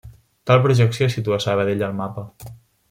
Tal projecció situa Sabadell al mapa.